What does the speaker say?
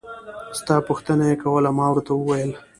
ستا پوښتنه يې کوله ما ورته وويل.